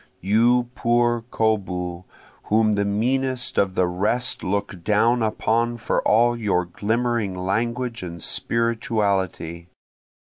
You poor koboo whom the meanest of the rest look down upon for all your glimmering language and spirituality!